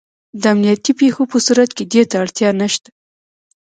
د امنیتي پېښو په صورت کې دې ته اړتیا نشته.